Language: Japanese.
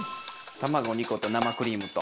卵２個と生クリームとお塩。